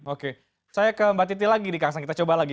oke saya ke mbak titi lagi di kangsang kita coba lagi